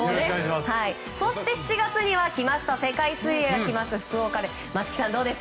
そして、７月にはきました世界水泳、福岡です。